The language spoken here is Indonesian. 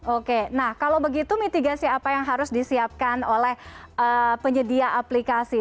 oke nah kalau begitu mitigasi apa yang harus disiapkan oleh penyedia aplikasi